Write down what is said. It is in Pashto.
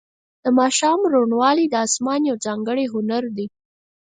د ماښام روڼوالی د اسمان یو ځانګړی هنر دی.